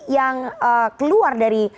yang keluar dari